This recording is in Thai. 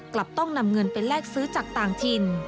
กลับต้องนำเงินไปแลกซื้อจากต่างถิ่น